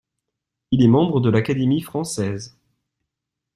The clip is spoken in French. Il est membre de l’Académie française.